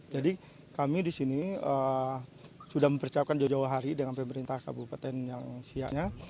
jadi kami di sini sudah mempersiapkan jauh jauh hari dengan pemerintah kabupaten siaknya